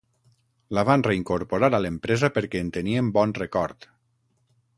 La van reincorporar a l'empresa perquè en tenien bon record.